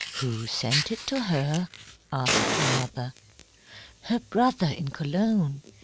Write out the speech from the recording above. "Who sent it to her?" asked her mother. "Her brother in Cologne.